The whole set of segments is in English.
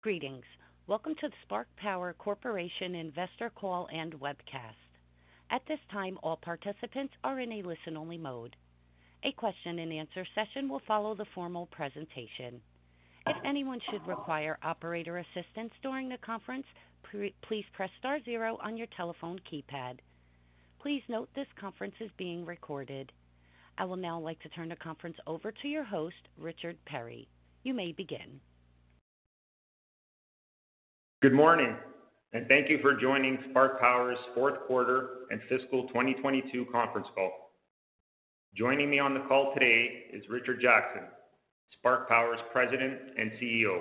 Greetings. Welcome to the Spark Power Corp. Investor Call and Webcast. At this time, all participants are in a listen-only mode. A question-and-answer session will follow the formal presentation. If anyone should require operator assistance during the conference, please press star zero on your telephone keypad. Please note this conference is being recorded. I will now like to turn the conference over to your host, Richard Perri. You may begin. Good morning, and thank you for joining Spark Power's Fourth Quarter and Fiscal 2022 Conference Call. Joining me on the call today is Richard Jackson, Spark Power's President and CEO.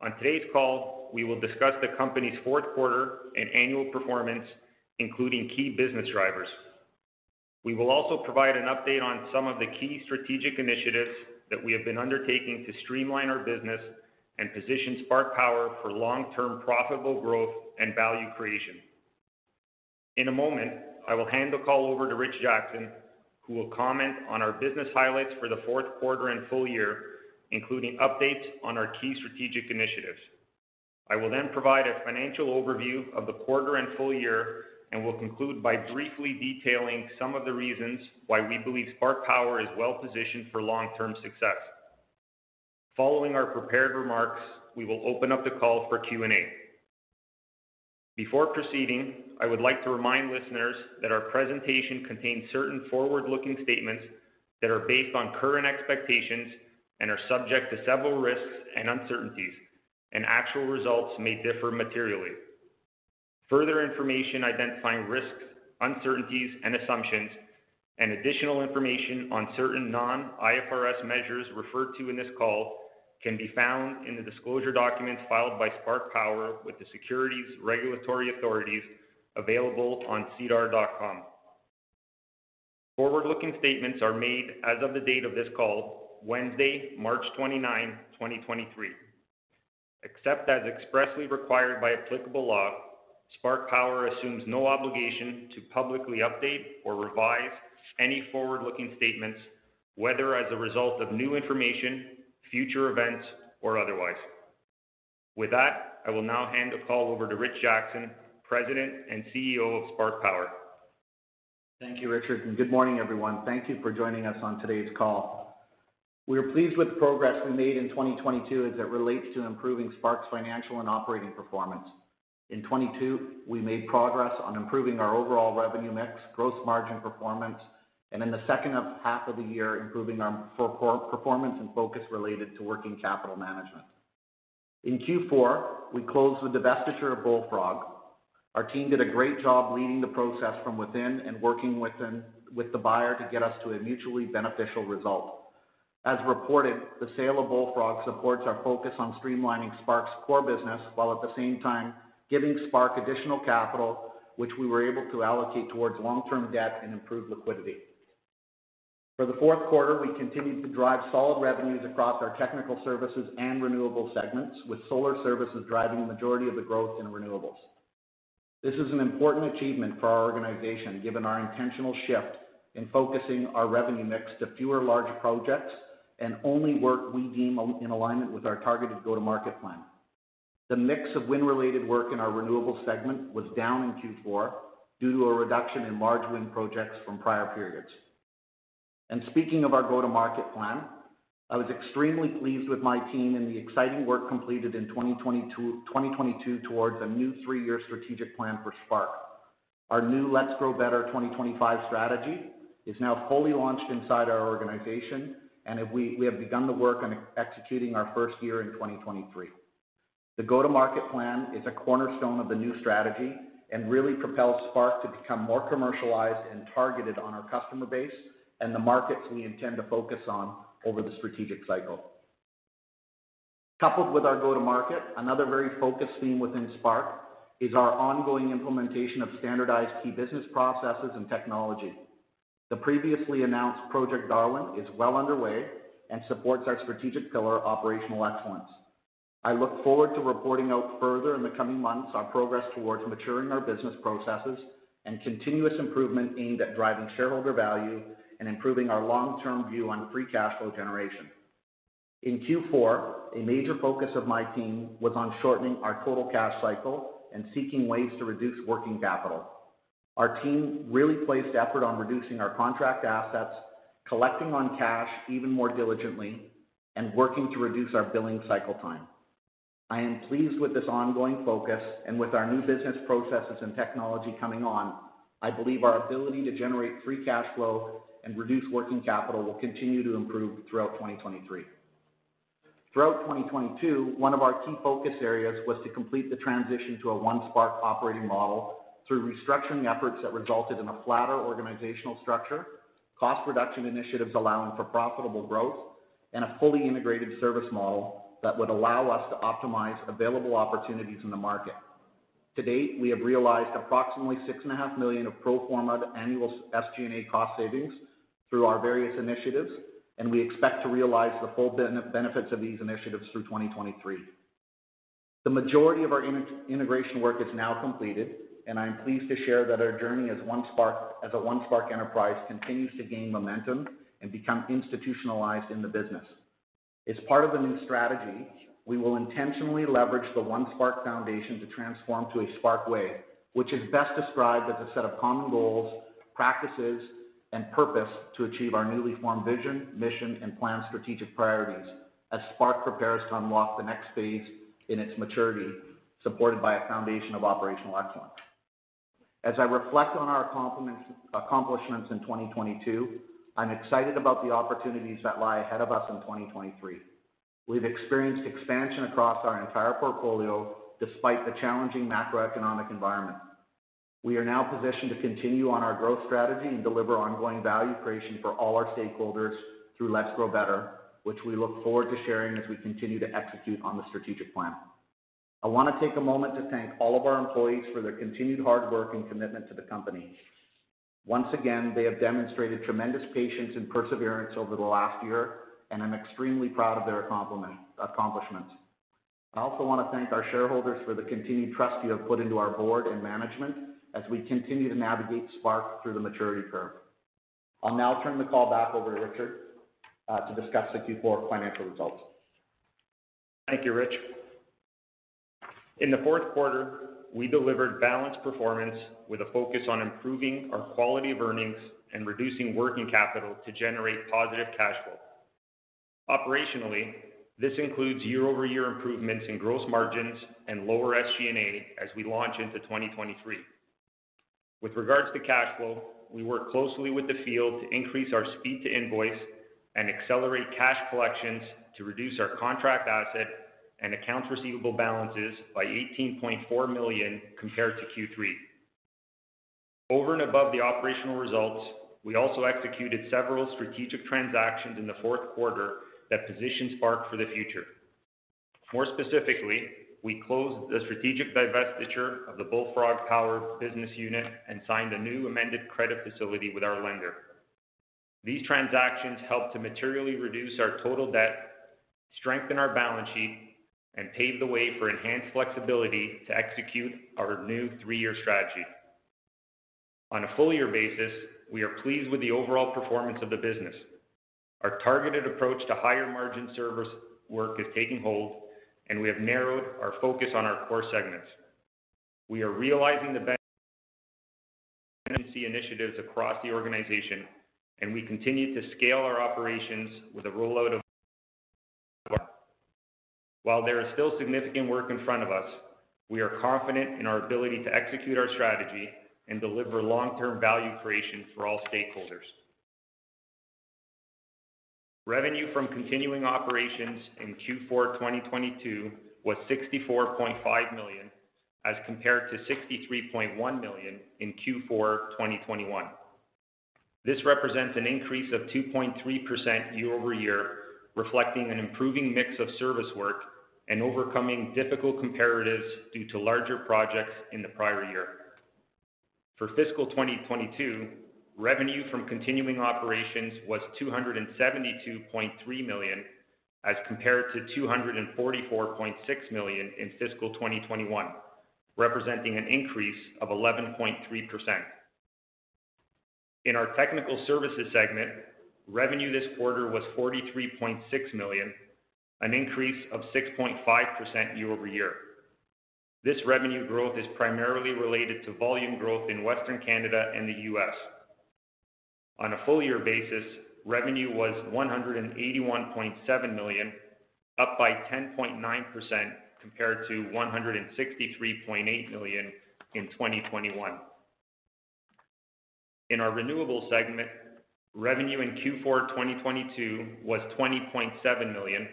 On today's call, we will discuss the company's fourth quarter and annual performance, including key business drivers. We will also provide an update on some of the key strategic initiatives that we have been undertaking to streamline our business and position Spark Power for long-term profitable growth and value creation. In a moment, I will hand the call over to Rich Jackson, who will comment on our business highlights for the fourth quarter and full year, including updates on our key strategic initiatives. I will then provide a financial overview of the quarter and full year and will conclude by briefly detailing some of the reasons why we believe Spark Power is well-positioned for long-term success. Following our prepared remarks, we will open up the call for Q&A. Before proceeding, I would like to remind listeners that our presentation contains certain forward-looking statements that are based on current expectations and are subject to several risks and uncertainties, and actual results may differ materially. Further information identifying risks, uncertainties, and assumptions, and additional information on certain non-IFRS measures referred to in this call can be found in the disclosure documents filed by Spark Power with the securities regulatory authorities available on sedar.com. Forward-looking statements are made as of the date of this call, Wednesday, March 29, 2023. Except as expressly required by applicable law, Spark Power assumes no obligation to publicly update or revise any forward-looking statements, whether as a result of new information, future events, or otherwise. I will now hand the call over to Rich Jackson, President and CEO of Spark Power. Thank you, Richard, good morning, everyone. Thank you for joining us on today's call. We are pleased with the progress we made in 2022 as it relates to improving Spark's financial and operating performance. In 2022, we made progress on improving our overall revenue mix, gross margin performance, and in the second of half of the year, improving our performance and focus related to working capital management. In Q4, we closed the divestiture of Bullfrog. Our team did a great job leading the process from within and working with the buyer to get us to a mutually beneficial result. As reported, the sale of Bullfrog supports our focus on streamlining Spark's core business while at the same time giving Spark additional capital, which we were able to allocate towards long-term debt and improve liquidity. For the fourth quarter, we continued to drive solid revenues across our technical services and renewable segments, with solar services driving the majority of the growth in renewables. This is an important achievement for our organization, given our intentional shift in focusing our revenue mix to fewer large projects and only work we deem in alignment with our targeted go-to-market plan. The mix of wind-related work in our renewables segment was down in Q4 due to a reduction in large wind projects from prior periods. Speaking of our go-to-market plan, I was extremely pleased with my team and the exciting work completed in 2022 towards a new three-year strategic plan for Spark Power. Our new Let's Grow Better 2025 strategy is now fully launched inside our organization, we have begun the work on executing our first year in 2023. The go-to-market plan is a cornerstone of the new strategy and really propels Spark to become more commercialized and targeted on our customer base and the markets we intend to focus on over the strategic cycle. Coupled with our go-to-market, another very focused theme within Spark is our ongoing implementation of standardized key business processes and technology. The previously announced Project Darwin is well underway and supports our strategic pillar operational excellence. I look forward to reporting out further in the coming months our progress towards maturing our business processes and continuous improvement aimed at driving shareholder value and improving our long-term view on free cash flow generation. In Q4, a major focus of my team was on shortening our total cash cycle and seeking ways to reduce working capital. Our team really placed effort on reducing our contract assets, collecting on cash even more diligently, and working to reduce our billing cycle time. I am pleased with this ongoing focus and with our new business processes and technology coming on, I believe our ability to generate free cash flow and reduce working capital will continue to improve throughout 2023. Throughout 2022, one of our key focus areas was to complete the transition to a One Spark operating model through restructuring efforts that resulted in a flatter organizational structure, cost reduction initiatives allowing for profitable growth, and a fully integrated service model that would allow us to optimize available opportunities in the market. To date, we have realized approximately 6.5 million of pro forma annual SG&A cost savings through our various initiatives. We expect to realize the full benefits of these initiatives through 2023. The majority of our integration work is now completed. I'm pleased to share that our journey as a One Spark enterprise continues to gain momentum and become institutionalized in the business. As part of the new strategy, we will intentionally leverage the One Spark Foundation to transform to a Spark way, which is best described as a set of common goals, practices, and purpose to achieve our newly formed vision, mission, and plan strategic priorities as Spark prepares to unlock the next phase in its maturity, supported by a foundation of operational excellence. As I reflect on our accomplishments in 2022, I'm excited about the opportunities that lie ahead of us in 2023. We've experienced expansion across our entire portfolio despite the challenging macroeconomic environment. We are now positioned to continue on our growth strategy and deliver ongoing value creation for all our stakeholders through Let's Grow Better, which we look forward to sharing as we continue to execute on the strategic plan. I wanna take a moment to thank all of our employees for their continued hard work and commitment to the company. Once again, they have demonstrated tremendous patience and perseverance over the last year, and I'm extremely proud of their accomplishments. I also wanna thank our shareholders for the continued trust you have put into our board and management as we continue to navigate Spark through the maturity curve. I'll now turn the call back over to Richard, to discuss the Q4 financial results. Thank you, Rich. In the fourth quarter, we delivered balanced performance with a focus on improving our quality of earnings and reducing working capital to generate positive cash flow. Operationally, this includes year-over-year improvements in gross margins and lower SG&A as we launch into 2023. With regards to cash flow, we work closely with the field to increase our speed to invoice and accelerate cash collections to reduce our contract asset and accounts receivable balances by 18.4 million compared to Q3. Over and above the operational results, we also executed several strategic transactions in the fourth quarter that position Spark for the future. More specifically, we closed the strategic divestiture of the Bullfrog Power business unit and signed a new amended credit facility with our lender. These transactions help to materially reduce our total debt, strengthen our balance sheet, and pave the way for enhanced flexibility to execute our new three-year strategy. On a full year basis, we are pleased with the overall performance of the business. Our targeted approach to higher margin service work is taking hold, and we have narrowed our focus on our core segments. We are realizing the initiatives across the organization, and we continue to scale our operations with a rollout of. While there is still significant work in front of us, we are confident in our ability to execute our strategy and deliver long-term value creation for all stakeholders. Revenue from continuing operations in Q4 2022 was 64.5 million, as compared to 63.1 million in Q4 2021. This represents an increase of 2.3% year-over-year, reflecting an improving mix of service work and overcoming difficult comparatives due to larger projects in the prior year. For fiscal 2022, revenue from continuing operations was 272.3 million, as compared to 244.6 million in fiscal 2021, representing an increase of 11.3%. In our technical services segment, revenue this quarter was 43.6 million, an increase of 6.5% year-over-year. This revenue growth is primarily related to volume growth in Western Canada and the U.S. On a full year basis, revenue was 181.7 million, up by 10.9% compared to 163.8 million in 2021. In our renewables segment, revenue in Q4 2022 was 20.7 million,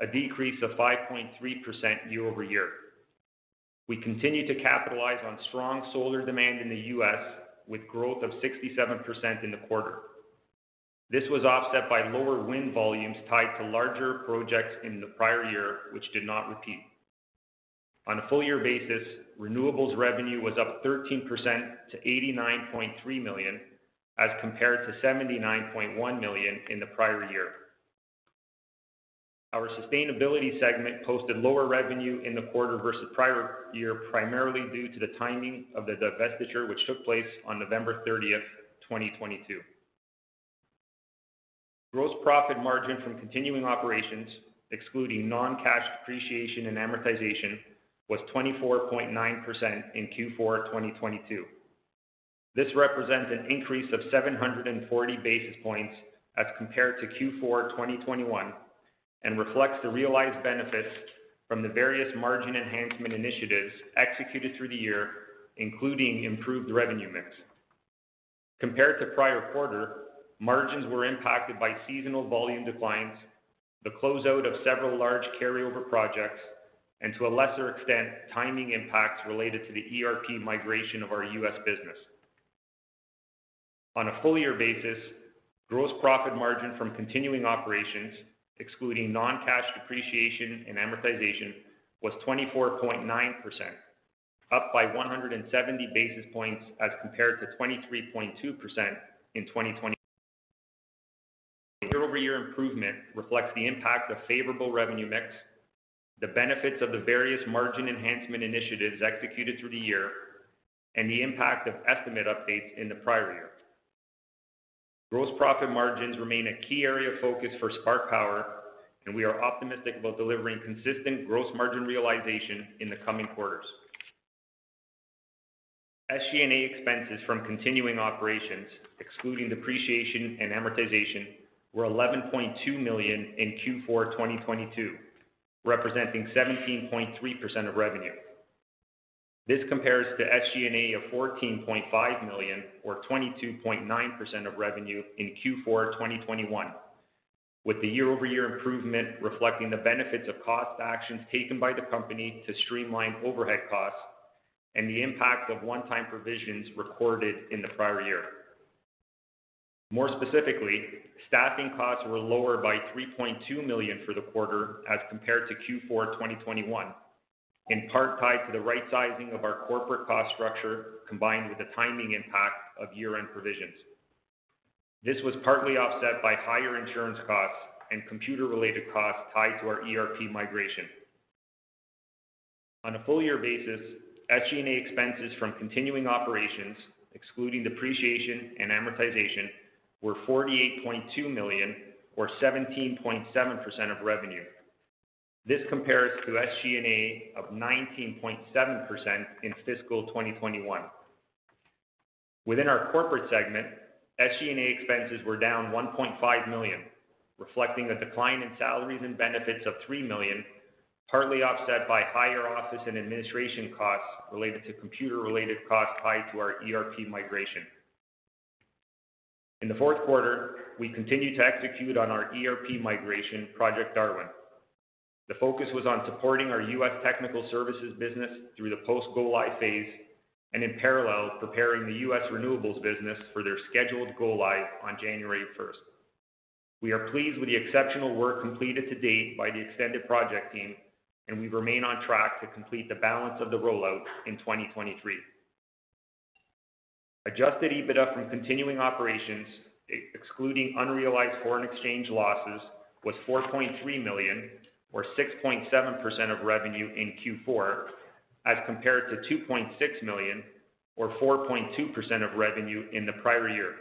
a decrease of 5.3% year-over-year. We continue to capitalize on strong solar demand in the U.S. with growth of 67% in the quarter. This was offset by lower wind volumes tied to larger projects in the prior year, which did not repeat. On a full year basis, renewables revenue was up 13% to 89.3 million, as compared to 79.1 million in the prior year. Our sustainability segment posted lower revenue in the quarter versus prior year, primarily due to the timing of the divestiture, which took place on November 30th, 2022. Gross profit margin from continuing operations, excluding non-cash depreciation and amortization, was 24.9% in Q4 2022. This represents an increase of 740 basis points as compared to Q4 2021 and reflects the realized benefits from the various margin enhancement initiatives executed through the year, including improved revenue mix. Compared to prior quarter, margins were impacted by seasonal volume declines, the closeout of several large carryover projects, and to a lesser extent, timing impacts related to the ERP migration of our U.S. business. On a full year basis, gross profit margin from continuing operations, excluding non-cash depreciation and amortization, was 24.9%, up by 170 basis points as compared to 23.2% in 2021. Year-over-year improvement reflects the impact of favorable revenue mix, the benefits of the various margin enhancement initiatives executed through the year, and the impact of estimate updates in the prior year. Gross profit margins remain a key area of focus for Spark Power. We are optimistic about delivering consistent gross margin realization in the coming quarters. SG&A expenses from continuing operations, excluding depreciation and amortization, were 11.2 million in Q4 2022, representing 17.3% of revenue. This compares to SG&A of 14.5 million or 22.9% of revenue in Q4 2021, with the year-over-year improvement reflecting the benefits of cost actions taken by the company to streamline overhead costs and the impact of one-time provisions recorded in the prior year. More specifically, staffing costs were lower by 3.2 million for the quarter as compared to Q4 2021, in part tied to the right sizing of our corporate cost structure, combined with the timing impact of year-end provisions. This was partly offset by higher insurance costs and computer-related costs tied to our ERP migration. On a full year basis, SG&A expenses from continuing operations, excluding depreciation and amortization, were 48.2 million or 17.7% of revenue. This compares to SG&A of 19.7% in fiscal 2021. Within our corporate segment, SG&A expenses were down 1.5 million, reflecting a decline in salaries and benefits of 3 million, partly offset by higher office and administration costs related to computer-related costs tied to our ERP migration. In the fourth quarter, we continued to execute on our ERP migration Project Darwin. The focus was on supporting our U.S. Technical Services business through the post go-live phase and in parallel, preparing the U.S renewables business for their scheduled go-live on January 1st. We are pleased with the exceptional work completed to date by the extended project team. We remain on track to complete the balance of the rollout in 2023. Adjusted EBITDA from continuing operations, excluding unrealized foreign exchange losses, was 4.3 million or 6.7% of revenue in Q4 as compared to 2.6 million or 4.2% of revenue in the prior year.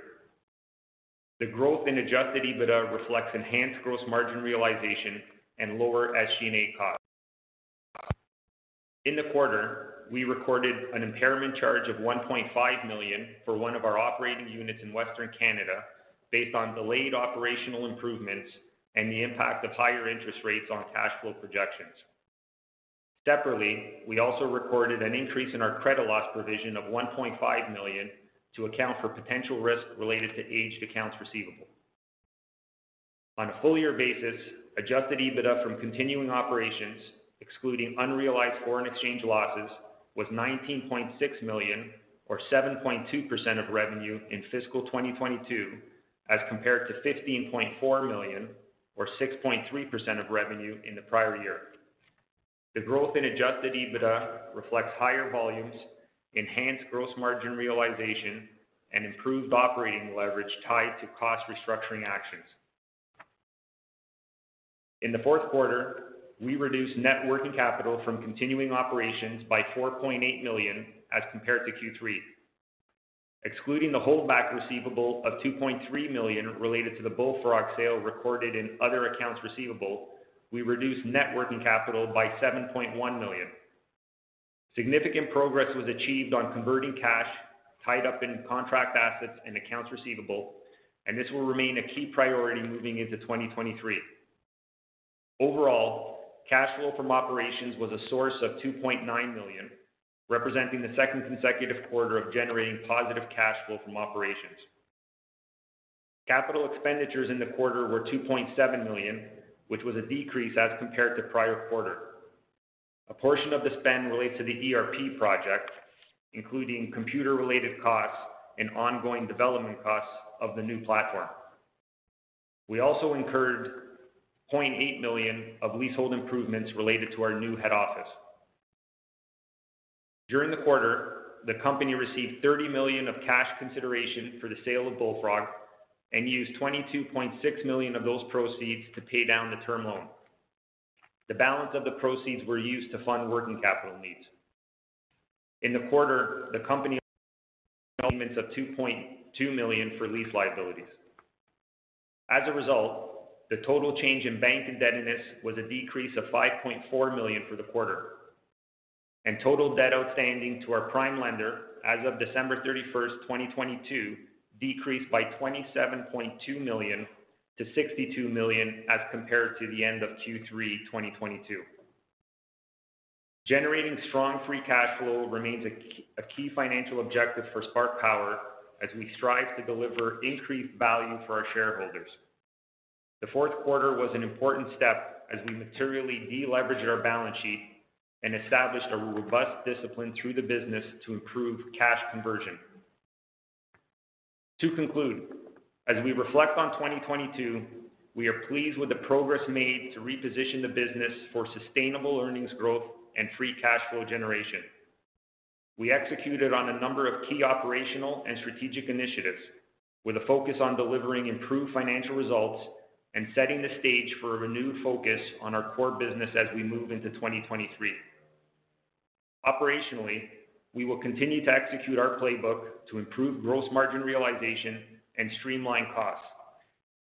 The growth in adjusted EBITDA reflects enhanced gross margin realization and lower SG&A costs. In the quarter, we recorded an impairment charge of 1.5 million for one of our operating units in Western Canada based on delayed operational improvements and the impact of higher interest rates on cash flow projections. Separately, we also recorded an increase in our credit loss provision of 1.5 million to account for potential risk related to aged accounts receivable. On a full year basis, adjusted EBITDA from continuing operations excluding unrealized foreign exchange losses, was 19.6 million or 7.2% of revenue in fiscal 2022, as compared to 15.4 million or 6.3% of revenue in the prior year. The growth in adjusted EBITDA reflects higher volumes, enhanced gross margin realization, and improved operating leverage tied to cost restructuring actions. In the fourth quarter, we reduced net working capital from continuing operations by 4.8 million as compared to Q3. Excluding the holdback receivable of 2.3 million related to the Bullfrog sale recorded in other accounts receivable, we reduced net working capital by 7.1 million. Significant progress was achieved on converting cash tied up in contract assets and accounts receivable, this will remain a key priority moving into 2023. Overall, cash flow from operations was a source of 2.9 million, representing the second consecutive quarter of generating positive cash flow from operations. Capital expenditures in the quarter were 2.7 million, which was a decrease as compared to prior quarter. A portion of the spend relates to the ERP project, including computer-related costs and ongoing development costs of the new platform. We also incurred 800,000 of leasehold improvements related to our new head office. During the quarter, the company received 30 million of cash consideration for the sale of Bullfrog and used 22.6 million of those proceeds to pay down the term loan. The balance of the proceeds were used to fund working capital needs. In the quarter, the company 2.2 million for lease liabilities. As a result, the total change in bank indebtedness was a decrease of 5.4 million for the quarter. Total debt outstanding to our prime lender as of December 31, 2022 decreased by 27.2 million to 62 million as compared to the end of Q3 2022. Generating strong free cash flow remains a key financial objective for Spark Power as we strive to deliver increased value for our shareholders. The fourth quarter was an important step as we materially de-leveraged our balance sheet and established a robust discipline through the business to improve cash conversion. To conclude, as we reflect on 2022, we are pleased with the progress made to reposition the business for sustainable earnings growth and free cash flow generation. We executed on a number of key operational and strategic initiatives with a focus on delivering improved financial results and setting the stage for a renewed focus on our core business as we move into 2023. Operationally, we will continue to execute our playbook to improve gross margin realization and streamline costs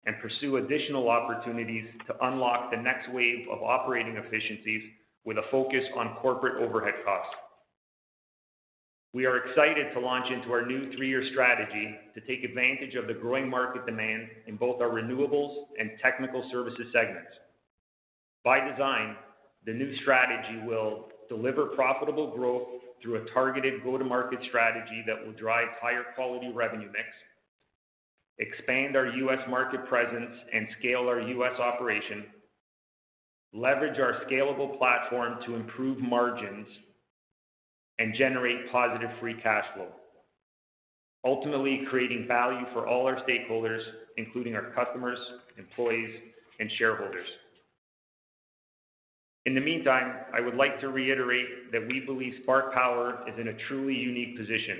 and pursue additional opportunities to unlock the next wave of operating efficiencies with a focus on corporate overhead costs. We are excited to launch into our new three-year strategy to take advantage of the growing market demand in both our renewables and technical services segments. By design, the new strategy will deliver profitable growth through a targeted go-to-market strategy that will drive higher quality revenue mix, expand our U.S. market presence, and scale our U.S. operation, leverage our scalable platform to improve margins, and generate positive free cash flow, ultimately creating value for all our stakeholders, including our customers, employees, and shareholders. In the meantime, I would like to reiterate that we believe Spark Power is in a truly unique position.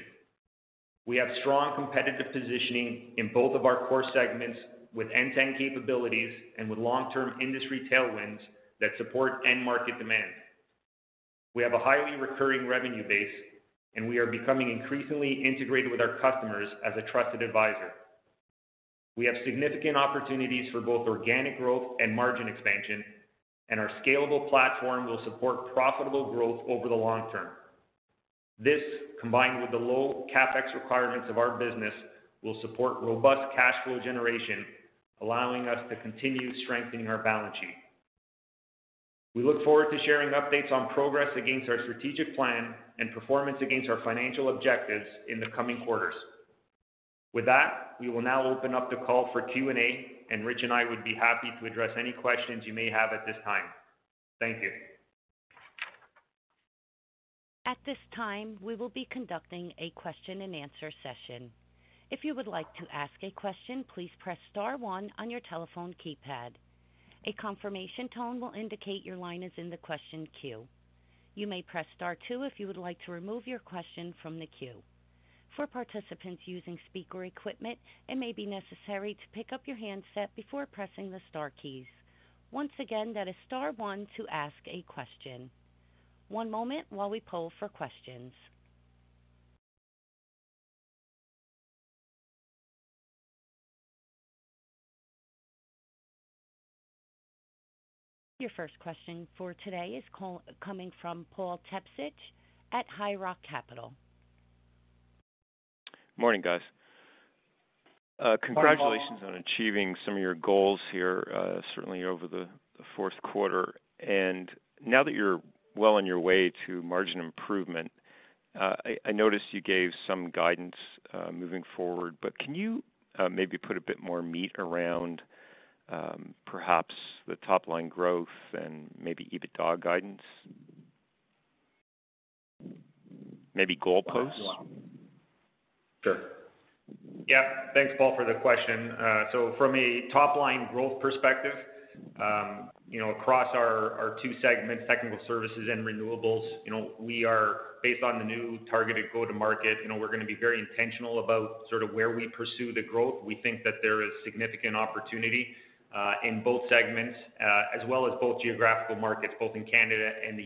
We have strong competitive positioning in both of our core segments with end-to-end capabilities and with long-term industry tailwinds that support end market demand. We have a highly recurring revenue base, and we are becoming increasingly integrated with our customers as a trusted advisor. We have significant opportunities for both organic growth and margin expansion, and our scalable platform will support profitable growth over the long term. This, combined with the low CapEx requirements of our business, will support robust cash flow generation, allowing us to continue strengthening our balance sheet. We look forward to sharing updates on progress against our strategic plan and performance against our financial objectives in the coming quarters. With that, we will now open up the call for Q&A, and Rich and I would be happy to address any questions you may have at this time. Thank you. At this time, we will be conducting a question and answer session. If you would like to ask a question, please press star one on your telephone keypad. A confirmation tone will indicate your line is in the question queue. You may press star two if you would like to remove your question from the queue. For participants using speaker equipment, it may be necessary to pick up your handset before pressing the star keys. Once again, that is star one to ask a question. One moment while we poll for questions. Your first question for today is coming from Paul Tepsich at High Rock Capital. Morning, guys. Morning, Paul. Congratulations on achieving some of your goals here, certainly over the fourth quarter. Now that you're well on your way to margin improvement, I noticed you gave some guidance moving forward, but can you maybe put a bit more meat around perhaps the top-line growth and maybe EBITDA guidance? Maybe goalposts. Sure. Yeah. Thanks, Paul, for the question. From a top-line growth perspective, you know, across our two segments, technical services and renewables, you know, we are based on the new targeted go-to-market. You know, we're gonna be very intentional about sort of where we pursue the growth. We think that there is significant opportunity in both segments, as well as both geographical markets, both in Canada and the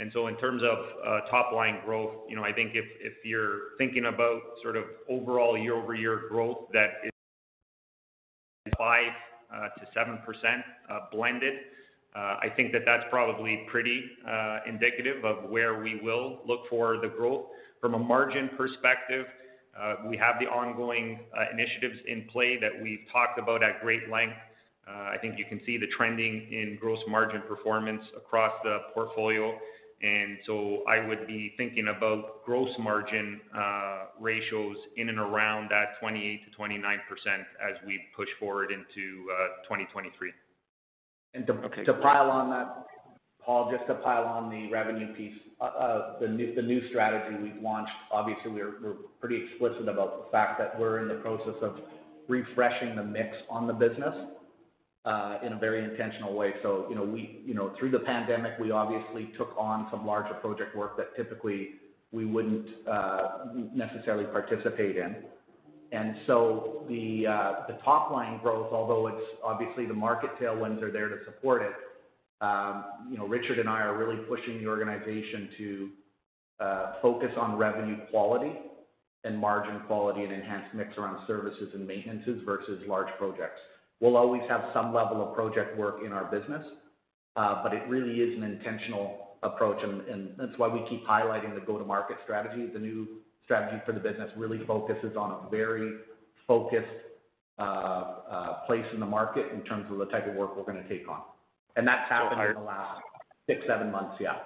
U.S. In terms of top-line growth, you know, I think if you're thinking about sort of overall year-over-year growth that is 5%-7% blended. I think that that's probably pretty indicative of where we will look for the growth. From a margin perspective, we have the ongoing initiatives in play that we've talked about at great length. I think you can see the trending in gross margin performance across the portfolio. I would be thinking about gross margin ratios in and around that 28%-29% as we push forward into 2023. Okay. To pile on that, Paul Tepsich, just to pile on the revenue piece of the new strategy we've launched. Obviously, we're pretty explicit about the fact that we're in the process of refreshing the mix on the business in a very intentional way. You know, we, you know, through the pandemic, we obviously took on some larger project work that typically we wouldn't necessarily participate in. The top-line growth, although it's obviously the market tailwinds are there to support it, you know, Richard and I are really pushing the organization to focus on revenue quality and margin quality and enhanced mix around services and maintenances versus large projects. We'll always have some level of project work in our business, but it really is an intentional approach and that's why we keep highlighting the go-to-market strategy. The new strategy for the business really focuses on a very focused place in the market in terms of the type of work we're gonna take on. That's happened in the last six, seven months. Yeah.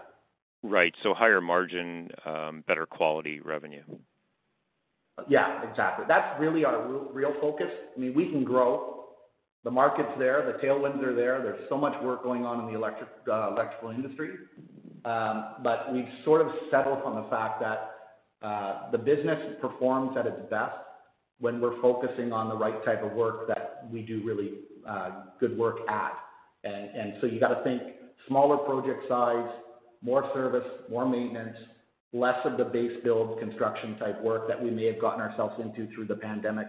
Right. higher margin, better quality revenue. Yeah, exactly. That's really our real focus. I mean, we can grow. The market's there, the tailwinds are there. There's so much work going on in the electrical industry. We've sort of settled on the fact that the business performs at its best when we're focusing on the right type of work that we do really good work at. You gotta think smaller project size, more service, more maintenance, less of the base build construction type work that we may have gotten ourselves into through the pandemic,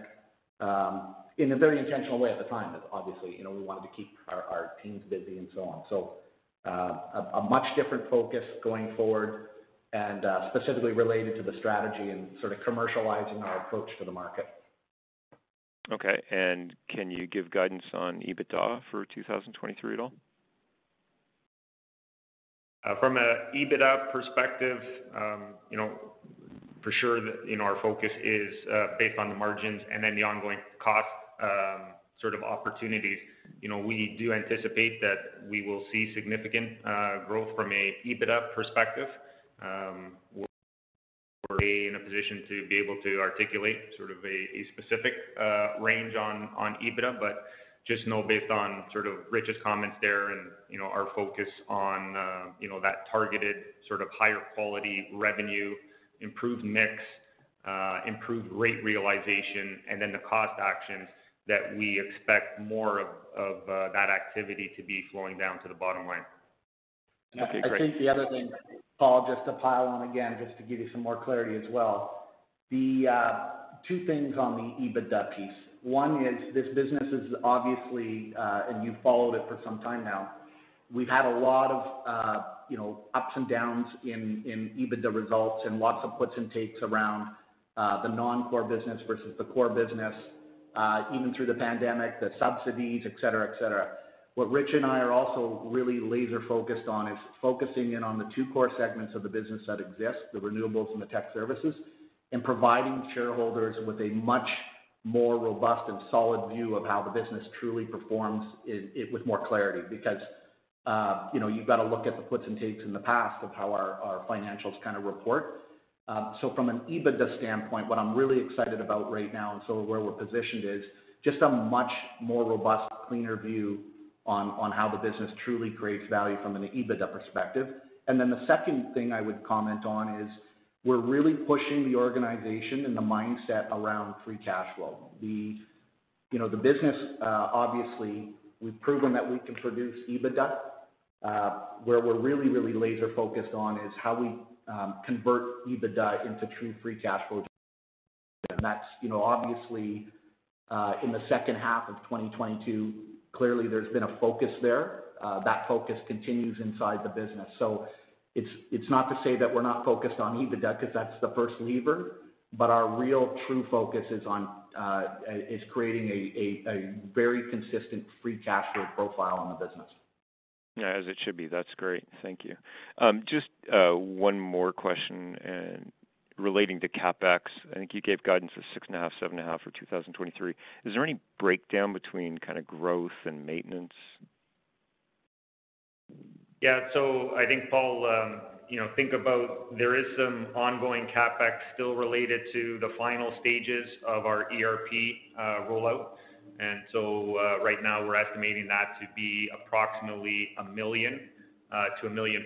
in a very intentional way at the time. Obviously, you know, we wanted to keep our teams busy and so on. A much different focus going forward and specifically related to the strategy and sort of commercializing our approach to the market. Okay. Can you give guidance on EBITDA for 2023 at all? From a EBITDA perspective, you know, for sure, you know, our focus is based on the margins and then the ongoing cost sort of opportunities. You know, we do anticipate that we will see significant growth from a EBITDA perspective. We're in a position to be able to articulate sort of a specific range on EBITDA. Just know based on sort of Rich's comments there and, you know, our focus on, you know, that targeted sort of higher quality revenue, improved mix, improved rate realization, and then the cost actions that we expect more of that activity to be flowing down to the bottom line. Okay, great. I think the other thing, Paul, just to pile on again, just to give you some more clarity as well. Two things on the EBITDA piece. One is this business is obviously, and you've followed it for some time now. We've had a lot of, you know, ups and downs in EBITDA results and lots of puts and takes around the non-core business versus the core business, even through the pandemic, the subsidies, et cetera, et cetera. What Rich and I are also really laser focused on is focusing in on the two core segments of the business that exist, the renewables and the tech services, and providing shareholders with a much more robust and solid view of how the business truly performs it with more clarity. Because, you know, you've got to look at the puts and takes in the past of how our financials kind of report. From an EBITDA standpoint, what I'm really excited about right now and sort of where we're positioned is just a much more robust, cleaner view on how the business truly creates value from an EBITDA perspective. The second thing I would comment on is we're really pushing the organization and the mindset around free cash flow. The, you know, the business, obviously, we've proven that we can produce EBITDA. Where we're really, really laser focused on is how we convert EBITDA into true free cash flow. That's, you know, obviously, in the second half of 2022, clearly there's been a focus there. That focus continues inside the business. It's not to say that we're not focused on EBITDA because that's the first lever, but our real true focus is on is creating a very consistent free cash flow profile on the business. Yeah, as it should be. That's great. Thank you. Just one more question, and relating to CapEx. I think you gave guidance of 6.5 million-7.5 million for 2023. Is there any breakdown between kind of growth and maintenance? I think, Paul, you know, think about there is some ongoing CapEx still related to the final stages of our ERP rollout. Right now we're estimating that to be approximately 1 million-1.5 million.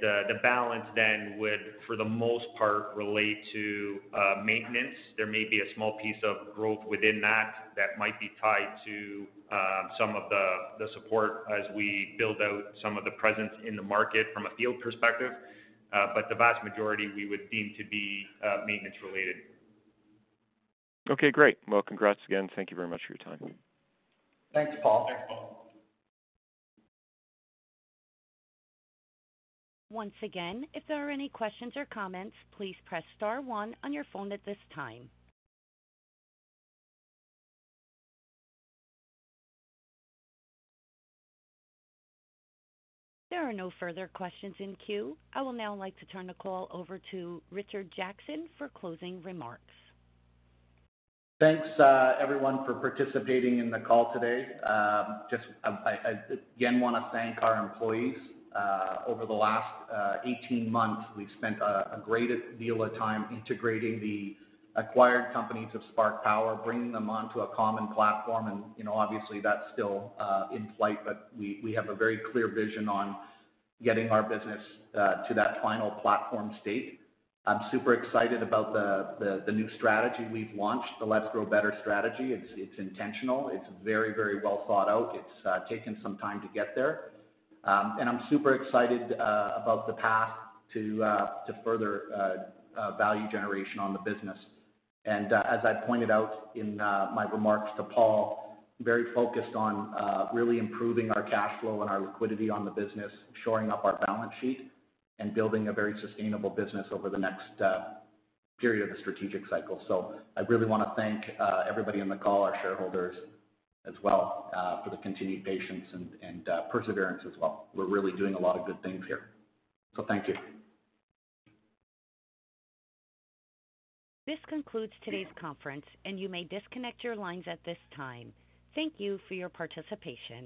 The balance then would, for the most part, relate to maintenance. There may be a small piece of growth within that might be tied to some of the support as we build out some of the presence in the market from a field perspective. But the vast majority we would deem to be maintenance related. Okay, great. Congrats again. Thank you very much for your time. Thanks, Paul. Thanks, Paul. Once again, if there are any questions or comments, please press star one on your phone at this time. There are no further questions in queue. I will now like to turn the call over to Richard Jackson for closing remarks. Thanks, everyone for participating in the call today. Just, I again want to thank our employees. Over the last 18 months, we've spent a great deal of time integrating the acquired companies of Spark Power, bringing them onto a common platform, and, you know, obviously that's still in flight, but we have a very clear vision on getting our business to that final platform state. I'm super excited about the new strategy we've launched, the Let's Grow Better strategy. It's intentional. It's very well thought out. It's taken some time to get there. And I'm super excited about the path to further value generation on the business. As I pointed out in my remarks to Paul, very focused on really improving our cash flow and our liquidity on the business, shoring up our balance sheet, and building a very sustainable business over the next period of the strategic cycle. I really wanna thank everybody on the call, our shareholders as well, for the continued patience and perseverance as well. We're really doing a lot of good things here. Thank you. This concludes today's conference, and you may disconnect your lines at this time. Thank you for your participation.